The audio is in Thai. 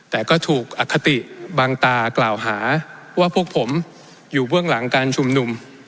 แต่ก็ถูกอคติบางตากล่าวหาว่าพวกผมอยู่เบื้องหลังการชุมนุม